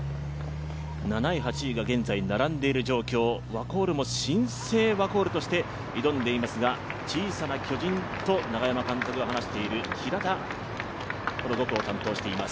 ７位、８位が現在並んでいる状況ワコールも新生ワコールとして挑んでいますが、小さな巨人と永山監督が話している平田が走っています。